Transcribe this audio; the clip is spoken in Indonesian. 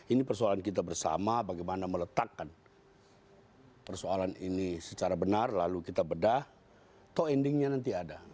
ini persoalan kita bersama bagaimana meletakkan persoalan ini secara benar lalu kita bedah to endingnya nanti ada